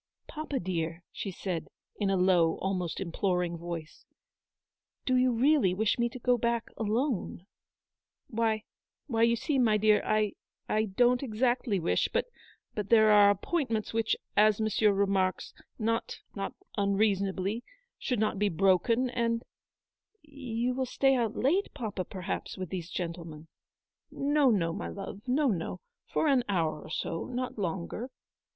"Papa, dear," she said, in a low, almost im ploring voice, " do you really wish me to go back alone ?" "Why — why, you see, my dear, I — I don't 90 ELEANOR'S VICTORY. ' exactly wish — but there are appointments which, as Monsieur remarks, not — not unreasonably, should not be broken, and —" You will stay out late, papa, perhaps, with these gentlemen —" No, no, my love, no, no ; for an hour or so ; not longer."